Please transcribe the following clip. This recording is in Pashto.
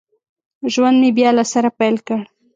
ژوند مې بیا له سره پیل کړ